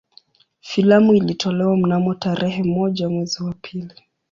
Filamu ilitolewa mnamo tarehe moja mwezi wa pili